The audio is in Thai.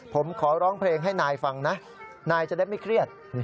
ผมขอร้องเพลงให้นายฟังนะนายจะได้ไม่เครียด